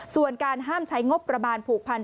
ส่วนการห้ามใช้งบประมาณผูกพัน